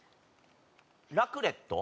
ラクレット？